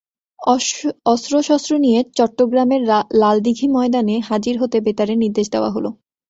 অস্ত্রশস্ত্র নিয়ে চট্টগ্রামের লালদীঘি ময়দানে হাজির হতে বেতারে নির্দেশ দেওয়া হলো।